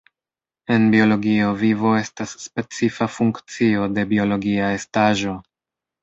En biologio vivo estas specifa funkcio de biologia estaĵo.